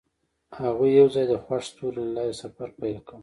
هغوی یوځای د خوښ ستوري له لارې سفر پیل کړ.